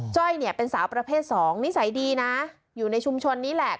้อยเนี่ยเป็นสาวประเภท๒นิสัยดีนะอยู่ในชุมชนนี้แหละ